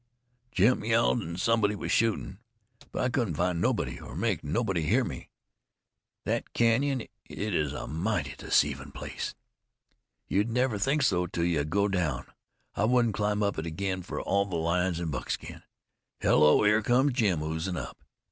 Jim yelled, an' somebody was shootin'. But I couldn't find nobody, or make nobody hear me. Thet canyon is a mighty deceivin' place. You'd never think so till you go down. I wouldn't climb up it again for all the lions in Buckskin. Hello, there comes Jim oozin' up."